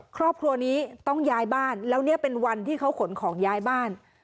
ครอบครัวนี้ต้องย้ายบ้านแล้วเนี่ยเป็นวันที่เขาขนของย้ายบ้าน